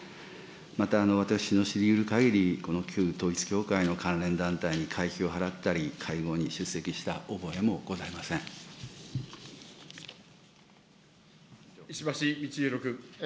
また私の知りうるかぎり、この旧統一教会の関連団体に会費を払ったり、会合に出席した覚えもござ石橋通宏君。